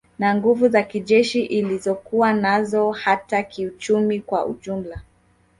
Na nguvu za kijeshi ilizokuwa nazo hata kiuchumi kwa ujumla